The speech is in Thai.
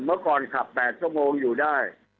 เมื่อก่อนขับ๘ชั่วโมงอยู่ได้